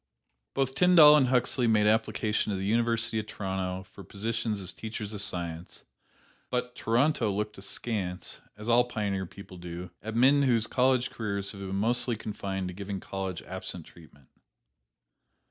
Both Tyndall and Huxley made application to the University of Toronto for positions as teachers of science; but Toronto looked askance, as all pioneer people do, at men whose college careers have been mostly confined to giving college absent treatment.